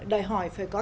đòi hỏi phải có